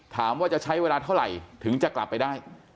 ถามว่าจะใช้เวลาเท่าไหร่ถึงจะกลับไปได้